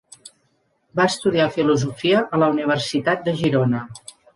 Va estudiar filosofia a la Universitat de Girona.